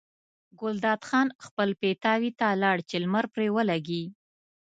ګلداد خان خپل پیتاوي ته لاړ چې لمر پرې ولګي.